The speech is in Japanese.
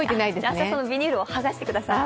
明日、そのビニールをはがしてください。